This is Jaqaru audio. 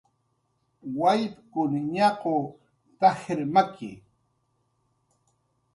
"Wallpkun ñaq'w t""ajir maki"